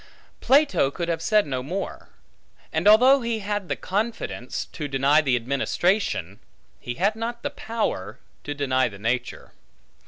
Plato could have said no more. And although he had the confidence, to deny the administration, he had not the power, to deny the nature.